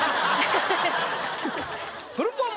フルポン